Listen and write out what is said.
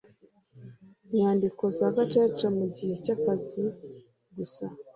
Nyandiko za gacaca mu gihe cy akazi gusa